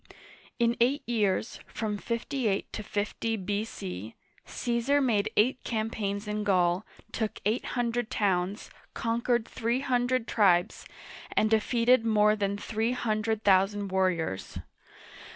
In eight years — from 58 to 50 B.C. ^ Caesar made eight campaigns in Gaul, took eight hundred towns, con quered three hundred tribes, and defeated more than three hundred thousand warriors.